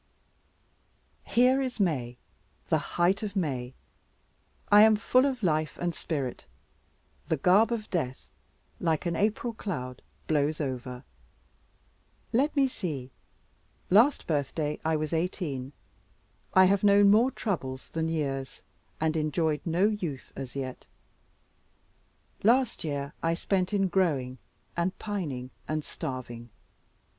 Here is May, the height of May: I am full of life and spirit: the garb of death, like an April cloud, blows over. Let me see. Last birthday I was eighteen: I have known more troubles than years, and enjoyed no youth as yet. Last year I spent in growing, and pining, and starving.